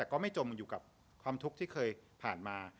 ก็ไม่จมอยู่กับความทุกข์ที่เคยผ่านมา